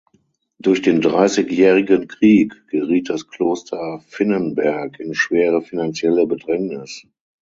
Durch den Dreißigjährigen Krieg geriet das Kloster Vinnenberg in schwere finanzielle Bedrängnis.